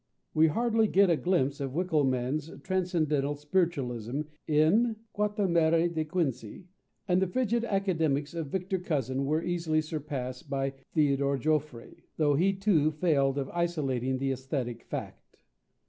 We hardly get a glimpse of Winckelmann's transcendental spiritualism in Quatremère de Quincy, and the frigid academics of Victor Cousin were easily surpassed by Theodore Jouffroy, though he too failed of isolating the aesthetic fact.